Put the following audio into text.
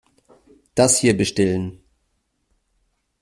Das hier bestellen.